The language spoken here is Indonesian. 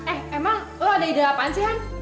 eh emma lo ada ide apaan sih han